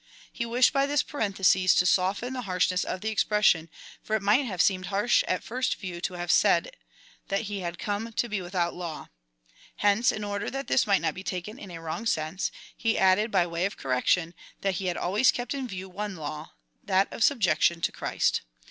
He wished by this parenthesis to soften the harshness of the expression, for it might have seemed harsh at first view to have it said, that he had come to be without laiv. Hence in order that this might not be taken in a wrong sense, he had added, by way of correction, that he had always kept in view one law — that of subjection to Christ.